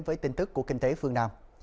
với tin tức của kinh tế phương nam